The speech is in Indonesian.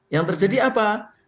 yang terjadi apa